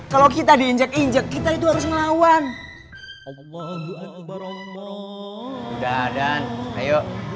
kalau kita diinjek injek kita itu harus ngelawan allah tuhan beramah udah dan ayo